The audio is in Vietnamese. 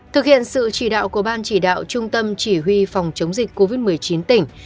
thực hiện sự chỉ đạo của ban chỉ đạo trung tâm chỉ huy phòng chống dịch covid một mươi chín tỉnh